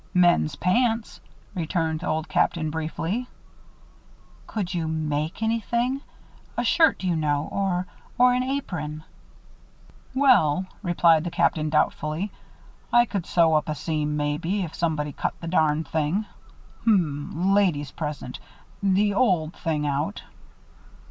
"Men's pants," returned Old Captain, briefly. "Could you make anything? A shirt, you know, or or an apron?" "Well," replied the Captain, doubtfully, "I could sew up a seam, maybe, if somebody cut the darned thing hum, ladies present the old thing out."